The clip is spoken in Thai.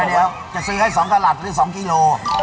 เดี๋ยวจะซื้อให้๒กระหลัดหรือ๒กิโล